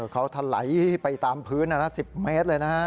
เขาถลายไปตามพื้น๑๐เมตรเลยนะฮะ